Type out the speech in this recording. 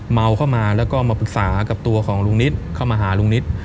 เมาเข้ามาแล้วก็มาปรึกษากับตัวของลุงนิดเข้ามาหาลุงนิต